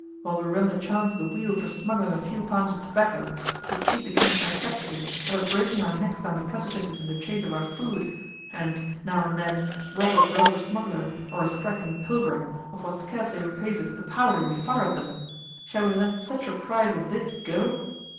While we run the chance of the wheel for smuggling a few pounds of tobacco, to cheat the king's manufactory, and of breaking our necks down the precipices in the chace of our food; and, now and then, rob a brother smuggler, or a straggling pilgrim, of what scarcely repays us the powder we fire at them, shall we let such a prize as this go?